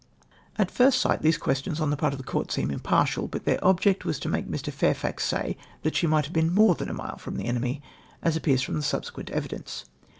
At first sight, these questions on the part of the Court seem impartial, but their object was to make Mr. Fairfax say that she might have been more than a mile from the enemy, as appears from the subsequent evidence.